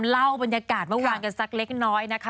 เล่าบรรยากาศเมื่อวานกันสักเล็กน้อยนะคะ